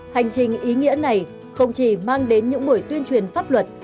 hành trình ý nghĩa này không chỉ mang đến những buổi tuyên truyền pháp luật